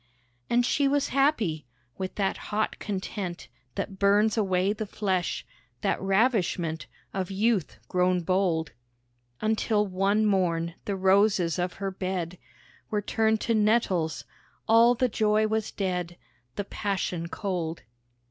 And she was happy: with that hot content That burns away the flesh, that ravishment Of youth grown bold. Until one morn the roses of her bed Were turned to nettles, all the joy was dead, The passion cold.